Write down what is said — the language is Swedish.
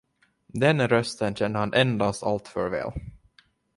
Den rösten kände han endast allt för väl.